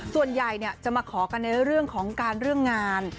ส่วนใหญ่จะมาขอกันในเรื่องของการเรื่องงาน